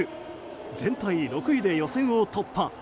全体６位で予選を突破。